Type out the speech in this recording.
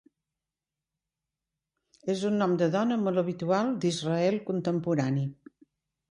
És un nom de dona molt habitual d'Israel contemporani.